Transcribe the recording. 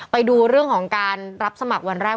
ไปดูเรื่องของการรับสมัครวันแรก